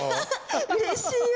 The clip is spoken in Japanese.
うれしいわ。